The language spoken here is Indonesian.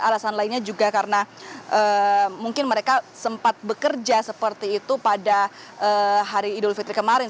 alasan lainnya juga karena mungkin mereka sempat bekerja seperti itu pada hari idul fitri kemarin